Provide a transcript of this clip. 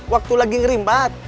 waktu lagi ngerimbat